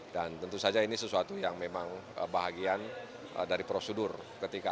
tentu saja ini sesuatu yang memang bahagian dari prosedur ketika